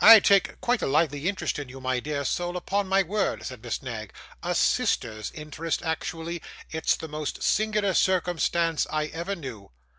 'I take quite a lively interest in you, my dear soul, upon my word,' said Miss Knag; 'a sister's interest, actually. It's the most singular circumstance I ever knew.